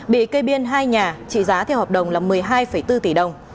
bị kê biên hai nhà trị giá theo hợp đồng là một mươi hai bốn tỷ đồng